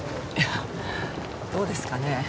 いやどうですかね？